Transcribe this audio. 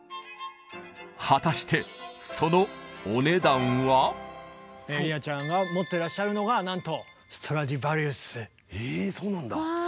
果たして理奈ちゃんが持ってらっしゃるのがなんとえそうなんだ。